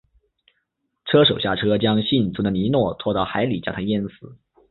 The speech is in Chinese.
车手下车将幸存的尼诺拖到海里将他淹死。